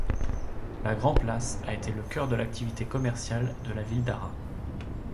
La Grand-Place a été le cœur de l'activité commerciale de la ville d'Arras.